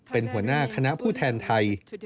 เป็นหัวหน้าคณะผู้แทนไทย